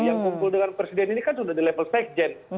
yang kumpul dengan presiden ini kan sudah di level sekjen